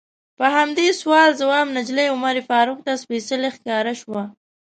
په همدې سوال ځواب نجلۍ عمر فاروق ته سپیڅلې ښکاره شوه.